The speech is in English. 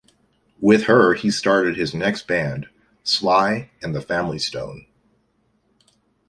With her he started his next band, Sly and the Family Stone.